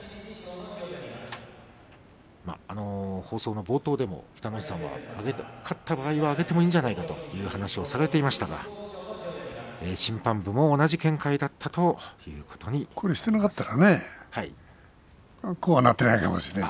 放送の冒頭でも北の富士さんは勝ったら上げてもいいんじゃないかという話をされていましたが審判部も同じ見解だったということになります。